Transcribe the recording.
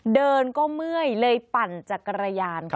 เดินก็เมื่อยเลยปั่นจากกระยาน